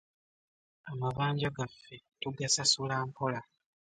Amabanja gaffe tugasasula mpola.